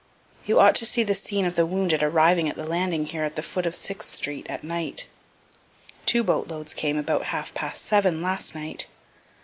You ought to see the scene of the wounded arriving at the landing here at the foot of Sixth street, at night. Two boat loads came about half past seven last night.